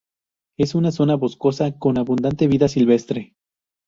Es una zona boscosa con abundante vida silvestre.